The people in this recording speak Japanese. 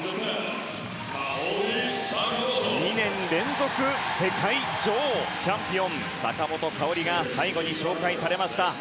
２年連続世界女王チャンピオン、坂本花織が最後に紹介されました。